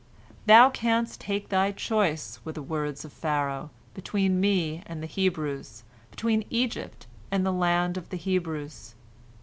"Thou canst take thy choice," were the words of Pharaoh, "between me and the Hebrews, between Egypt and the land of the Hebrews.